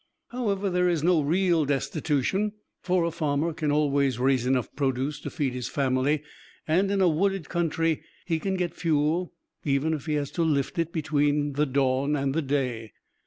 However, there is no real destitution, for a farmer can always raise enough produce to feed his family, and in a wooded country he can get fuel, even if he has to lift it between the dawn and the day.